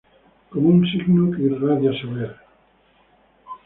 Como un signo que irradia saber.